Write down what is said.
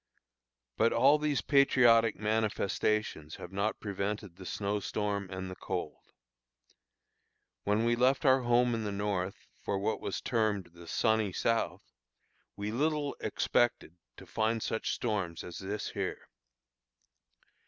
But all these patriotic manifestations have not prevented the snow storm and the cold. When we left our home in the North for what was termed "the sunny South," we little expected to find such storms as this here.